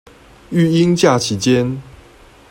育嬰假期間